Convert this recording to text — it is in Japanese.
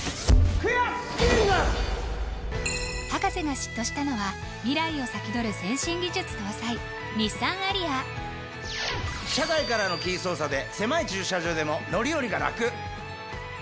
博士が嫉妬したのは未来を先取る先進技術搭載日産アリア車外からのキー操作で狭い駐車場でも乗り降りがラク！